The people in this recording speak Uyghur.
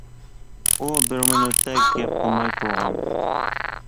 ئۇ بىر مىنۇتتەك گەپ قىلماي تۇرغان.